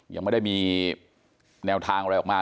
ยังไม่ได้มีแนวทางอะไรออกมา